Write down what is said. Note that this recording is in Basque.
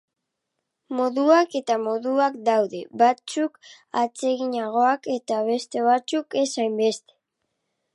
Moduak eta moduak daude, batzuk atseginagoak eta beste batzuk ez hainbeste.